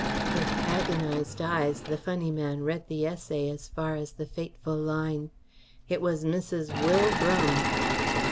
With agonized eyes the funny man read the essay as far as the fateful line, "It was Mrs. Will Brum."